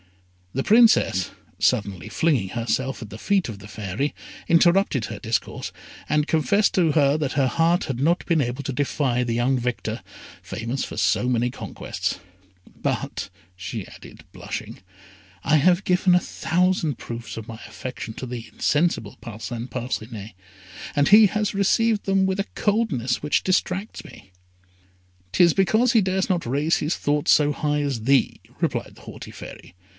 The Princess, suddenly flinging herself at the feet of the Fairy, interrupted her discourse, and confessed to her that her heart had not been able to defy the young victor, famous for so many conquests. "But," added she, blushing, "I have given a thousand proofs of my affection to the insensible Parcin Parcinet, and he has received them with a coldness which distracts me." "'Tis because he dares not raise his thoughts so high as thee," replied the haughty Fairy.